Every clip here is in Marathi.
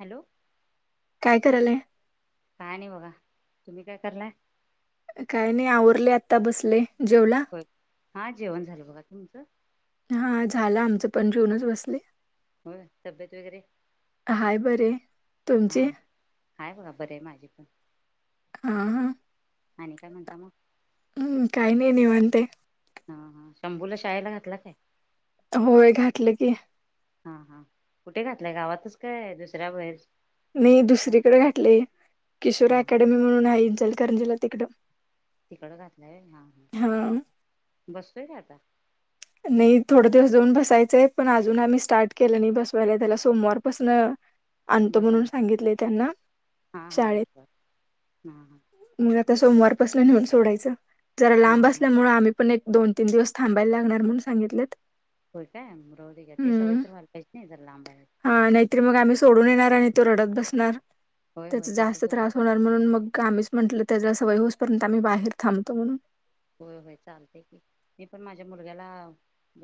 हॅलो. काय करायलय? काय नाही बघा, तुम्ही काय करलाय? काही नाही आवरले आता बसले. जेवला होय, हा जेवण झालं बघा. तुमचं? हा झालं आमचं पण जेऊनच बसले. होय तब्येत वगैरे हाय बरी हाय. हा तुमचे? हाय बघा बरे आहे माझी पण. हा हा. आणि काय म्हणता मग? हम्म काही नाही निवांत आहे. हा हा शंभूला शाळेला घातला काय? होय घातलं की, हा हा कुठे घातलंय गावातच काय दुसऱ्या बाहेर नाही दुसरीकडे घटलंय किशोर हा अकॅडमी म्हणून आहे, इचलकरंजीला तिकडं, तिकडं घातलंय हा हा बसतोय का आता? नाही थोडं दिवस जाऊन बसवायचंय पण अजून आम्ही स्टार्ट केलं नाही बसवायला त्याला सोमवार पासनं आणतो म्हणून बसवणार सांगितले त्यांना हा हा शाळेत. बरोबर हा हा मग आता सोमवारपासनं नेऊन सोडायचं ज-जरा हा लांब हा असल्यामुळे आम्हीपण, एक, दोन-तीन दिवस थांबायला लागणार म्हणून सांगितलेत होय काय राहूदे घ्या ते हम्म सवय तर व्हायला पाहिजे नाही जरा लांब आहे. हा नाहीतर मग आम्ही सोडून येणार आणि तो रडत बसणार, होय होय त्याचा तसंच जास्त होत त्रास होणार म्हणून मग आम्हीच म्हंटल त्याच्या सवय होऊसपर्यंत आम्ही बाहेर थांबतो म्हणून. होय... होय... चालतंय की, मी पण माझ्या मुलग्याला,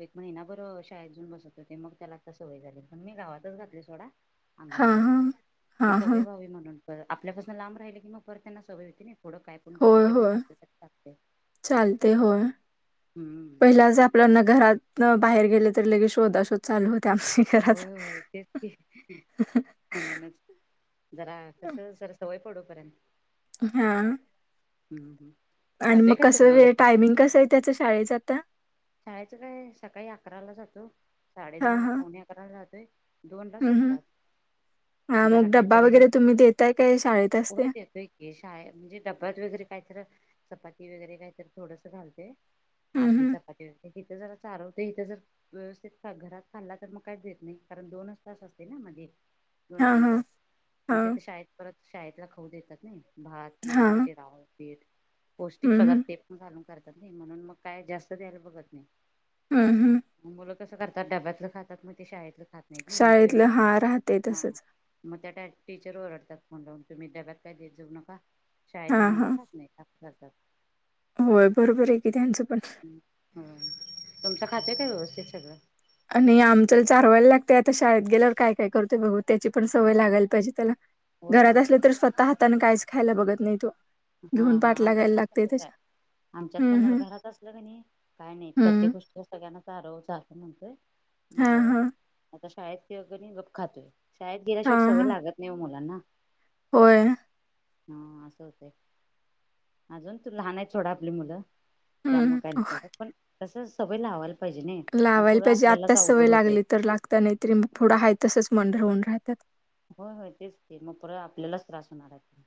एक महिनाभर शाळेत जाऊन बसतोय ते मग त्याला आता सवय झाली पण मी गावातच घातली सोडा. हा अंगणवाडीत हा ही हा हा सवय व्हावी म्हणून आपल्यापासून लांब राहिले की मग परत त्यांना सवय होती नी. थोडं काही पण कुठे पण घातलं तर चालतंय. चालतय होय हम्म पहिला ज आपल्याना घरात तवा बाहेर गेले तर लगेच शोधा शोध चालू हो होय होय तेच की म्हणूनच जरा कस सर सवय पडो पर्यं हा. हुं, हुं आणि मग कसं हे टायमिंग कसं आहे त्याच्या शाळेचा आता? शाळेचं काय सकाळी अकराला जातो. साडे हा दहा हा पावणे अकराला जातोय. दोनला हम्म हम्म. सोडतात हा मग डब्बा वगैरे तुम्ही देताय काय? शाळेत असते व्हय, देतोय की शाळेत म्हणजे डब्बा वगैरे काहीतर चपाती वगैरे काय तरी थोडसं घालते, हम्म अर्धी हम्म इथं जरा चारवते, इथं जर व्यवस्थित, घरात खाल्ला तर मग काहीच देत नाही कारण दोनच तास असते मध्ये दोन, हा तीन हा तास हा मग तीत शाळेत परत शाळेतला खाऊ देतात ने. भात हा वगैरे हम्म शिरा, उपीट पौष्टिक हम्म पदार्थ ते पण घालून करतात नाही, म्हणून मग काय जास्त द्यायला बघत नाही. हम्म हम्म. मुलं कसं करतात डब्यातलं खातात, मग ते शाळेतलं खात नाहीत ना... मग ते... शाळेतलं हा राहते हा तसच मग त्या टीचर ओरडतात म्हणून तुम्ही डब्यात काय देत जाऊ नका, शाळेतली हा मुलं हा खात नाही, असं करतात होय बरोबर आहे की त्यांचं पण हुं, तुमचं खातंय काय व्यवस्थित सगळं? आणि आमचं, चारवायला लागतं आता शाळेत गेल्यावर काय काय करतोय बघू, त्याची पण सवय लागायला पाहिजे त्याला होय होय घरात असले तर स्वतः हाताने काहीच खायला बघत नाही तो. हा घेऊन हा पाठ आमच्यात लागायला पण लागते तसंच आहे. त्याच्या. आमच्यात हम्म पण हम्म घरात असलं कणी नाही काय नाही हम्म प्रत्येक गोष्टीला सगळ्यांनाच सर्व चारव चारव म्हण हा मग हा आता शाळेत [unintelligible] गप खातोय शाळेत हा गेल्याशिवाय सवय हा लागत नाही हो मुलांना. होय. हा असं होतंय अजून तू लहान आहे थोडं आपली मुलं. त्यामुळ हम्म नको पण तसं सवय लावाय लावायला पाहिजे आत्ताच सवय होतंय. लागली, तर लागता नाहीतरी मग थोडं हा तसंच मंड होऊन राहतात. हो होय तेच ते मग पर आपल्यालाच त्रास होणार आहे.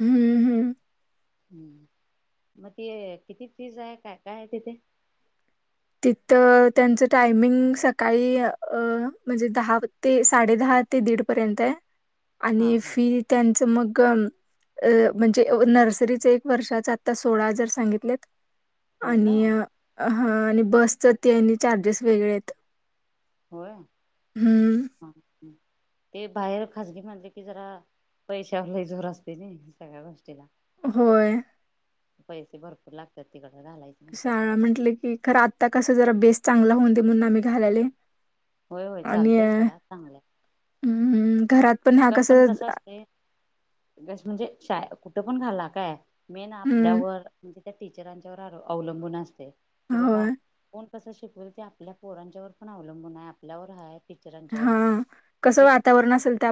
हम्म हम्म. हम्म. मग ते किती फीज आहे काय काय आहे तिथे? तिथ त्यांच टायमिंग सकाळी म्हणजे अं दहा ते साडेदहा ते दीड पर्यंत ए हा आणि हा फी त्यांचं मग अ म्हणजे नर्सरीच एक वर्षाचा आता सोळा हजार सांगितल्यात. होय आणि काय हा आणि बसच ते चार्जेस वेगळे आहेत. होय. हं, ते बाहेर खाजगी म्हणले की जरा पैशावर लय जोर असते ना सगळ्या गोष्टीला. होय. पैसे भरपूर लागतात तिकड शाळा म्हटलं की खरं आत्ता कसं जरा बेस चांगला होऊन दे म्हणून आम्ही घालाले. होय होय चालतंय थोडा चांगल्या हं, घरात हां पण पण कसं कस असते म्हणजे शा कुठं पण घाला काय. मेन हं, आपल्यावर म्हणजे त्या टीचरांच्यावर अवलंबून असते कि बाबा होय. कसं शिकवल ते आपल्या पोरांच्यावर पण अवलंबून आहे आपल्यावर आहे. टीचरांच्यावर हा कसं वातावरण असेल त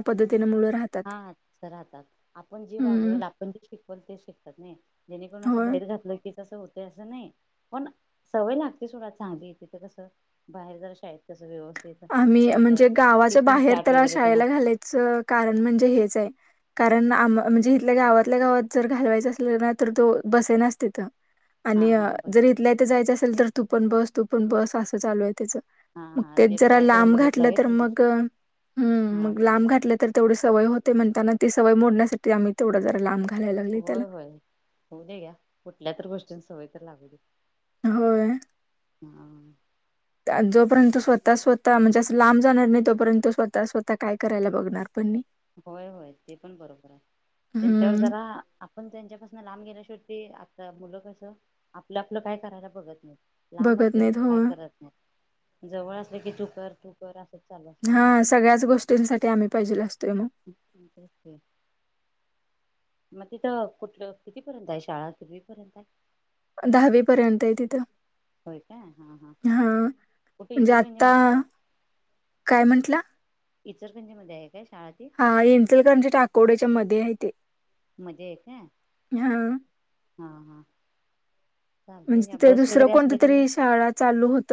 हाच राहतात आपण जे हं, वागल आपण जे शिकवल ते शिकतात नाही. जेणेकरून असं होय. बाहेर घातलं की, तस होते असं नाही पण सवय लागते थोडा चांगली तिथ कसं बाहेर जर शाळेत कस व्यवस्थित आम्ही असं म्हणजे गावाच्या टिफिन बाहेर चाट त्याला वगैरे ते शाळेला नसते घालायच. कारण म्हणजे हेच कारण म्हणजे इथल्या गावातल्या गावात जर घालवायचं अस. तर तो बसे नस तिथ हा आणि हा बघ जर इथल्या इथे जायचं असेल तर, तुपन बस तुपन बस असं चालू आहे त्याच. हा मग हा ते ट्राय करून लांब बघितलं घातलं आहे तर, तुम्ही मग हा मग हा लांब घातलं तर, तेवढे सवय होते म्हणं. नी सवय मोण्यासाठी आम्ही तेवढं जरा लांब घा होय होय होऊ दे घ्या कुठल्या तर गोष्टीं सवय तर लागू दे. होय. हम्म जोपर्यंत स्वतः स्वतः म्हणजे असं लांब जाणार नाही, तोपर्यंत स्वतः स्वतः काय करायला बघणार पण नाही. होय होय ते पण बरोबर आहे. त्यांच्यावर हम्म जरा आपण त्यांच्यापासून लांब गेल्याशिवाय ते मुलं असं आपलं आपलं काय करायला बघत नाही. लांब बघत नाहीत असल्याशिवाय होय. काय करत नाही. जवळ असले की तू कर तू कर अस. हा सगळ्याच गोष्टींसाठी आम्ही पाहिजेन असतो. [unintelligible] मग तिथं कुठलं कितीपर्यंत आहे शाळा पूर्वीपर्यंत आहे. दहावी पर्यंत आहे तिथं. होय का हा हा हां, कुठे म्हणजे इसरगंजी आत्ता मध्ये का [inaudible] काय म्हंटलं इतर खंजी मध्ये आहेत [inaudible] हा येंचलकरांच्या टाकोड्याच्या मध्ये आहे ते, मजा है का हां, हा हा चालते म्हणजे का तथ बस दुसरं वगैरे कोणती असले का नाही तरी शाळा चालू होत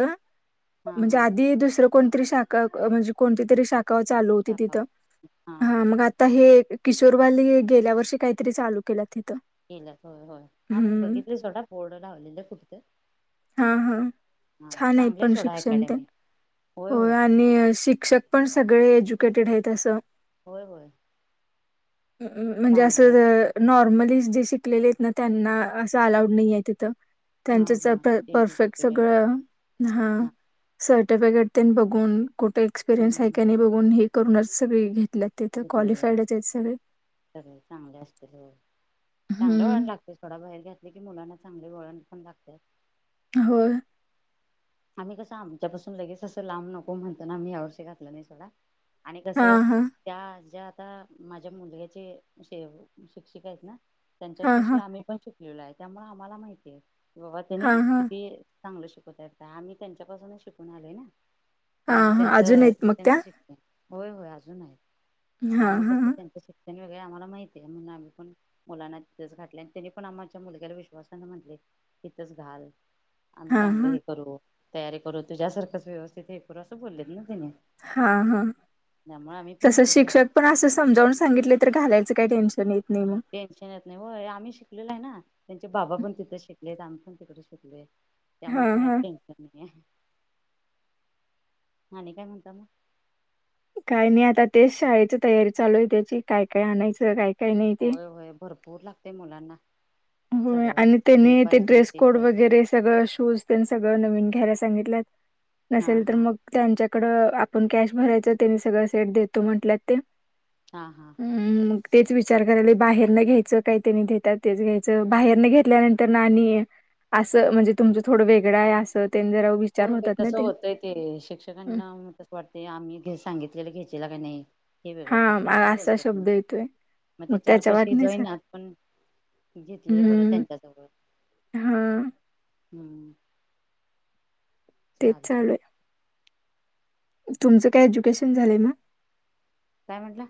हा म्हणजे हा आधी दुसरं कोणतरी शाखा म्हणजे कोणती तरी शाखा चालू होती टाकाव तिथं हा मग आता हे किशोरवाली गेल्या वर्षी काहीतरी चालू केलं ते केलात होय होय हा मी बघितली स्वतः बोर्ड लावलेलं कुठं हा हा हा छान आहे चांगले पण सोडा शिक्षण ते अकॅडमी होय हो होय आणि शिक्षक पण सगळे एज्युकेटेड आहेत असं. होय होय. म्हणजे चांगले असं नॉर्मली जे शिकलेले आहेत ना त्यांना असं अलाउड नाही आहेत. हा हा त्यांच्या परफेक्ट एज्युकेटेड एकदम सगळं ह हा सर्टिफिकेट त्यां बघून कुठे हम्म एक्सपिरियन्स आहे का नाही बघून हे करूनच सगळी घेत, जिकलेले आहेत सगळे चांगले असतील हो. चांगलं वळण हम्म लागते थोडा बाहेर घातले की मुलांना चांगले वळण पण लागते. होय आम्ही कसं आमच्यापासून लगेच असं लांब नको म्हणतो, ना आम्ही यावर्षी घातलं नाही. आणि हां कसे हां त्या आज्या आता माझ्या मुलग्याचेे शिक्षिका आहेत ना, त्यांच्या हां पशी हां आम्ही पण शिकलेलो आहे, त्यामुळे आम्हाला माहिती आहे, की बाबा त्यांनी हां हां किती, चांगलं शिकवता का आम्ही, त्यांच्यापासूनच शिकून आले ना, हां त्यामुळे हां अजून त्यांचं आहेत मग त्या त्यांचं शिक्षण होय होय अजून आहे. हां त्यामुळे हां कसे हां त्यांच शि, वेगळे आम्हाला माहितय म्हणून आम्ही पण मुलांना तिथे घातले आणि त्यांनी पण आमच्या मुलग्याला विश्वासना म्हटले. तिथच घाल, आम्ही चांगले हे हां करू तयारी करू तुझ्यासारखंच व्यवस्थित हे करू असं बोललेत ना, त्याने हा हा त्यामुळे आम्ही पण तसे इथंच घात शिक्षक पण अस समजावून सांगितले तर घालाय. काही टेन्शन नाही. मग टेन्शन येत नाही, हो आम्ही शिकलो. आहे ना त्यांचे बाबा पण तिथ शिकले आम्ही पण तिक शिकले, त्यामुळे हां काही हां टेन्शन नाही. आणि कय म्हणतात, काय नाही आता तेच शाळेची तयारी चालू आहे, त्याची काय काय आणायचं काय, काय नाही ते होय होय भरपूर लागते मुलांना. हो सगळं आणि हे त्यानी ते पाहिजे ड्रेस कोड पाहिजे वगैरे सगळं शूज सगळं नवीन. घ्यायला सांगितले हा नसेल तर हा मग त्यांच्या, आपण कॅश भरायच त्यांनी सगळे सेट देतो म्हटलं ते, हा हा तेच विचार करायला बाहेर न घ्यायचं, काय त्यांनी देतात तेच घ्यायचं. बाहेर न घेतल्यानंतर ना आणि असं म्हणजे तुमचं थोडं वेगळं आहे असते. होय होय तस होतय ते हं, शिक्षकांना त वाटते आम्ही घ सांगितलेलं घ्याय. केला का नाही, हे वेगळं पडते असं हा असा बोलत शब्द येतोय मग ते चार त्याच्या पैशी वाटणीच जईनात पण, घेतलेलं बरं हम्म त्यांच्या जवळ हा हम्म, तेच चालते चालू आहे. तुमचं काय एज्युकेशन झालंय म? काय म्हटलं!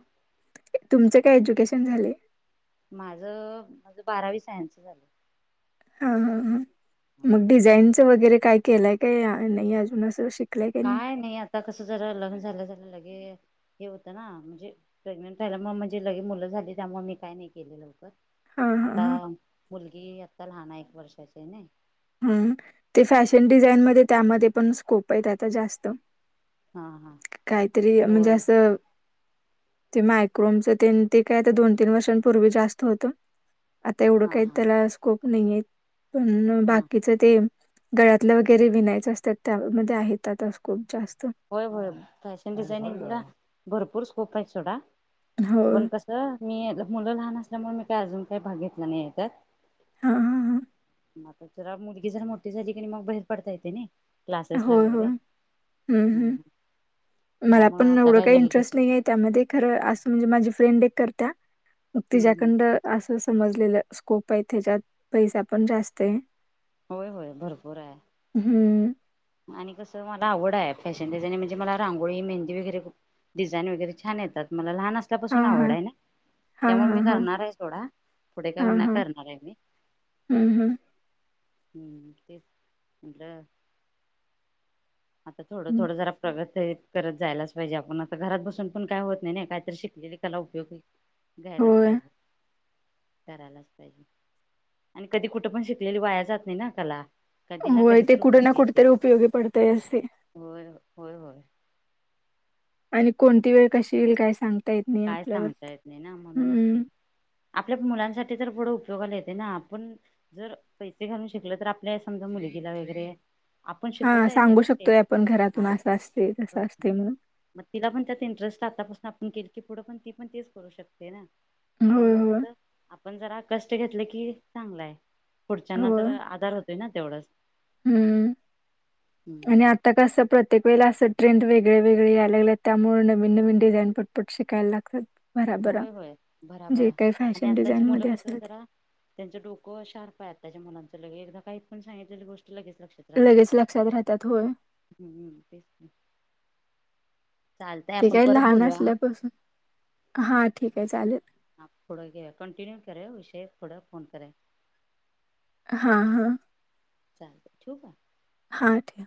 तुमचं काय एज्युकेशन झाले, माझ माझ बारावी सायन्स झाले. हा हा ह मग डिझाईनच वगैरे काय, केलंय काय नाही अजून असं शिक काय नाही आता कसं जरा लग्न झालं झालं लगे, हे होतं ना म्हणजे प्रेग्नेंटयला मग म्हणजे लगे मुलं झाली त्यामुळे मी काही नाही केले लवकर. हा हा हा आता मुलगी आता लहान आहे, एक वर्षाची ना हम ते फॅशन डिझाईनमध्येध्ये त्यामध्ये पण स्कोप आहेत, आता जास्त, हा हा काहीतरी म्हणजे होय असं, ते मायक्रोमच ते ते काय आता दोन तीन वर्षांपूर्वी जास्त होत. आता एवढं हा काही हा त्याला स्कोप नाहीय पण हा बाकी. ते गळ्यातलं वगैरे विनायच असतात. त्यामध्ये आहेत खूप जास्त. होय होय फॅशन डिझाइनिंगला भरपूर स्कोप आहेत सोडा, हो पण कसं मी मुलं लहान असल्यामुळे, मी काही अजून काही भाग घेतला नाही त्यात, हा हा हा, म जरा मुलगी जरा मोठी झाली मग बाहेर पडता येते नाई क्लासेस ला वगैरे, हम्म मला त्यामुळं पण आता एवढं काय काही लगे इंटरेस्ट नाही आहे, त्यामध्ये खरं असं म्हणजे माझी फ्रेंड एक करत. मग तिच्याकंड असं समजलेलं स्कोप आहे त्याच्यात पैसा पण जास्त आहे. होय होय भरपूर आहे. हं. आणि कसं मला आवड आहे फॅशन डिझाईन म्हणजे मला रांगोळीे मेहेदी वगैरे डिझाईन वगैरे छान येतात मला लहान असल्यापासून हां, हां. आवड आहे ना हां, त्यामुळे मी हां, हां. करणार आहे सोडा, पुढे का हुना करणार आहे मी. हम्म हम् हम्म तेच म्हणलं आता थोडं हं. थोडं जरा प्रगत तेच करत जायलाच पाहिजे आपण आता घरात बसून पण काय होत नाही ने काहीतरी शिकलेली कला उपयोगी घ्यायलाच होय. पाहिजे. करायलाच पाहिजे आणि कधी कुठ पण शिकलेली वाया जात नाही ना कला. कधी ना होय कधी ते तर कुठं ना उपयोगी कुठ येते तरी उपयोगी पडतय असे. हो हो आणि कोणती वेळ कशी येईल काय सांग काय सांगता येत नाही ना म्हणूनच ते आपल्या मुलांसाठी तर पुढं उपयोगाला येत. ते ना आपण जर पैसे घालून शिकल तर आपल्या समजा मुलगीला वगैरे आपण हा शिकवता येते सांगू ना ते शकतोय आपण घरातून हा असं असते तस बस असते म्हणून. मग तिला पण त्यात इंटरेस्ट आतापासून केल की पुढं पण ती पण तेच करू शकते ना होय, त्यामुळ होय. कस आपण जरा कष्ट घेतले की चांगलाय पुढच्याना तर आधार होतोय ना तेवढंच. हम्म आणि हम्म आता कस प्रत्येक वेळेला असं ट्रेंड वैगेरे वेगळेवेगळे या लागलेत त्यामुळे नवीन नवीन डिझाईन पटपट शिकायला लागतात. भराभरा होय होय भराभर जे काही आणि फॅशन आत्ताची डिझाईन मुलं मध्ये कस असेल जरा त्यांचं डोकं शार्प आहे, आत्ताच्या मुलांच लगेच एकदा काहीत पण सांगितलेली गोष्ट- लगेच लक्षात ते राहते लगेच लक्षात राहतात होय हम्मम तेच. चालतंय ते आपण ज्या परत लहान बोलूया हा. असल्यापासून हा ठीक आहे चालेल. ह पुढं घे कंटिन्यू कराव विषय पुढं फोन कराव. हा हा चालते ठेवु काय? हां ठेवा.